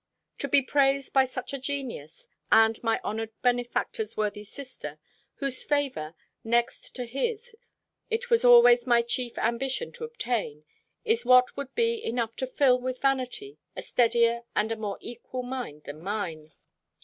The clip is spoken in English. To be praised by such a genius, and my honoured benefactor's worthy sister, whose favour, next to his, it was always my chief ambition to obtain, is what would be enough to fill with vanity a steadier and a more equal mind than mine.